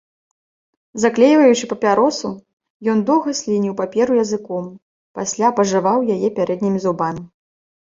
Заклейваючы папяросу, ён доўга слініў паперу языком, пасля пажаваў яе пярэднімі зубамі.